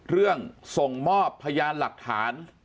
เรื่องส่งมอบพยานหลักฐาน